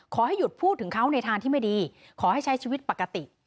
ขอให้หยุดพูดถึงเขาในทางที่ไม่ดีขอให้ใช้ชีวิตปกติ